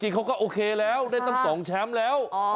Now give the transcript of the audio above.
เขาก็โอเคแล้วได้ตั้ง๒แชมป์แล้ว